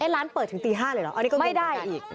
ร้านเปิดถึงตี๕เลยเหรออันนี้ก็ไม่ได้อีก